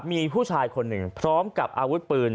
มีผู้ชายคนหนึ่งพร้อมกับอาวุธปืน